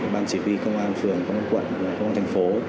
ban chỉ huy công an phường công an quận công an thành phố